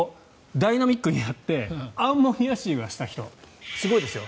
ダイナミックにやってアンモニア臭がした人すごいですよ。